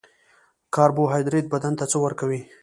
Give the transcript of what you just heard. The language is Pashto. کاربوهایدریت بدن ته څه ورکوي